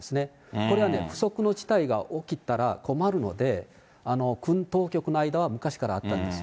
これは、不測の事態が起きたら困るので、軍当局の間は昔からあったんですよ。